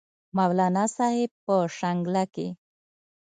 مولانا صاحب پۀ شانګله کښې